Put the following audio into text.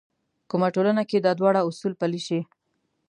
کومه ټولنه کې دا دواړه اصول پلي شي.